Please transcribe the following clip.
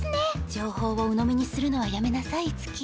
情報をうのみにするのはやめなさい樹。